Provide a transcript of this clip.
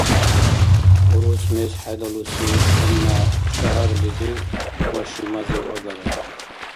Урус мез хӀедалуси гьанна шагьарлизив ва шимазив агара.